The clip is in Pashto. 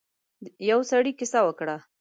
يو سړی کيسه وکړه.